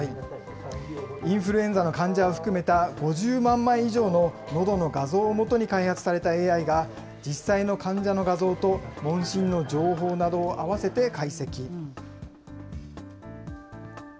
インフルエンザの患者を含めた５０万枚以上ののどの画像をもとに開発されたＡＩが、実際の患者の画像と問診の情報などを合わせて解析。